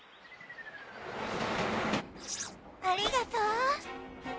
ありがとう。